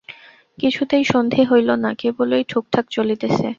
কিছুতেই সন্ধি হইল না–কেবলই ঠুকঠাক চলিতেছে।